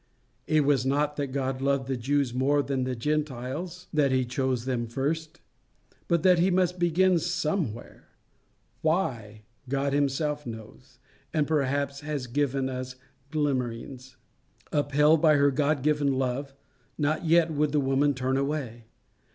It was not that God loved the Jews more than the Gentiles that he chose them first, but that he must begin somewhere: why, God himself knows, and perhaps has given us glimmerings. Upheld by her God given love, not yet would the woman turn away.